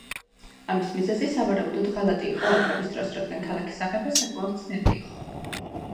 ამის მიზეზი სავარაუდოდ ღალატი იყო ალყების დროს, რადგან ქალაქის აღება საკმაოდ ძნელი იყო.